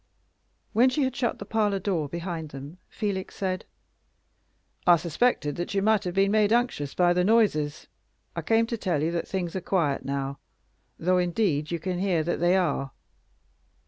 When she had shut the parlor door behind them, Felix said, "I suspected that you might have been made anxious by the noises. I came to tell you that things are quiet now. Though, indeed, you can hear that they are."